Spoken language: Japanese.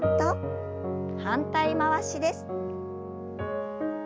反対回しです。